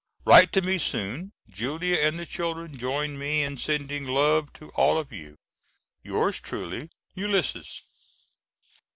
Write to me soon. Julia and the children join me in sending love to all of you. Yours truly, ULYSSES.